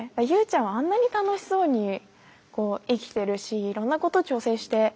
友ちゃんはあんなに楽しそうに生きてるしいろんなこと挑戦して。